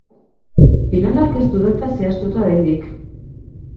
Finalak ez du data zehaztuta oraindik.